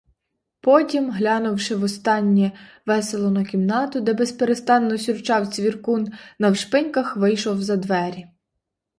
Потім, глянувши востаннє весело на кімнату, де безперестанно сюрчав цвіркун, навшпиньках вийшов за двері.